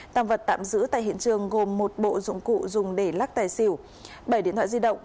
tăng vật tạm giữ tại hiện trường gồm một bộ dụng cụ dùng để lắc tài xỉu bảy điện thoại di động